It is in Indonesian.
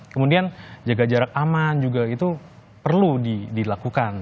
kemudian jaga jarak aman juga itu perlu dilakukan